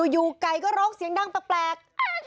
อยู่ไก่ก็ร้องเสียงดังแปลก